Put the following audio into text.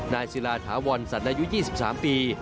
นายศิลาธาวรสันในยุค๒๓ปี